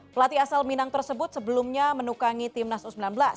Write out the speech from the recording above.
pelatih asal minang tersebut sebelumnya menukangi timnas u sembilan belas